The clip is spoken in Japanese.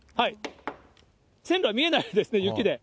線路は見えないですね、雪で。